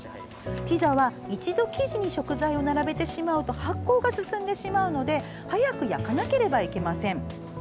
ピザは一度生地に食材を並べてしまうと発酵が進んでしまうので早く焼かなければいけません。